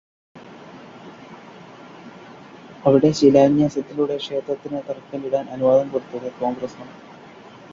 അവിടെ ശിലാന്യാസത്തിലൂടെ ക്ഷേത്രത്തിന് തറക്കല്ലിടാന് അനുവാദം കൊടുത്തത് കോണ്ഗ്രസ്സ്സാണ്.